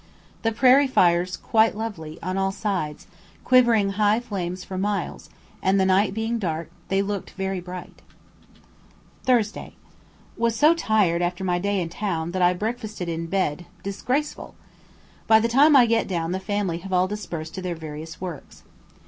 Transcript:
The prairie fires quite lovely, on all sides, quivering high flames for miles, and the night being dark, they looked very bright. Thursday. Was so tired after my day in town that I breakfasted in bed; disgraceful! By the time I get down the family have all dispersed to their various works.